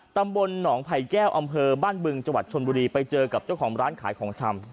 ตำบลหนองไผ่แก้วอำเภอบ้านบึงจังหวัดชนบุรีไปเจอกับเจ้าของร้านขายของชำ